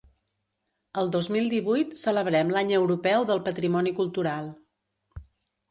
El dos mil divuit celebrem l'Any Europeu del Patrimoni Cultural.